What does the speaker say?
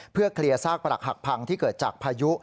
เพื่อเคลียร์ซากปรักหักพังที่เกิดจากพายุ